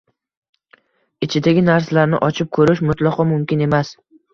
Ichidagi narsalarni ochib ko‘rish mutlaqo mumkin emas.